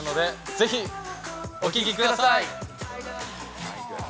ぜひ、お聞きください！